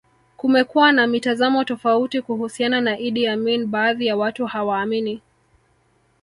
Kumekuwa na mitazamo tofauti kuhusiana na Idi Amin baadhi ya watu hawaamini